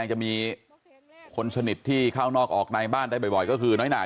จะมีคนสนิทที่เข้านอกออกในบ้านได้บ่อยก็คือน้อยหน่าย